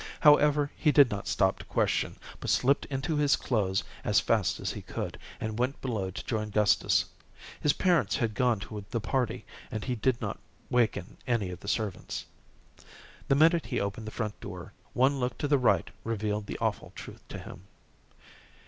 However, he did not stop to question, but slipped into his clothes as fast as he could, and went below to join Gustus. His parents had gone to the party, and he did not waken any of the servants. The minute he opened the front door, one look to the right revealed the awful truth to him.